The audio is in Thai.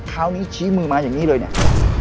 คราวนี้ชี้มือมาอย่างนี้เลยเนี่ย